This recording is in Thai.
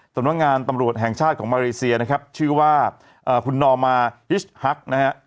สำนักงานตำรวจแห่งชาติของมาเลเซียนะครับชื่อว่าคุณนอมาฮิชฮักนะฮะ